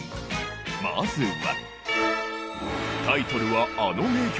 まずは。